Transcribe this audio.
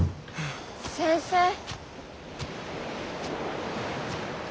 先生。